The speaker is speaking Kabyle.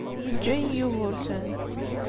Yeǧǧa-yi Yugurten.